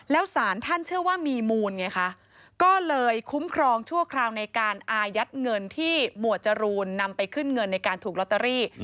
แล้วสารท่านเชื่อว่ามีมูลไงคะก็เลยคุ้มครองชั่วคราวในการอายัดเงินที่หมวดจรูนนำไปขึ้นเงินในการถูกลอตเตอรี่